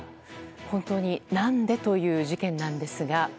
本当に何で？という事件なんですが。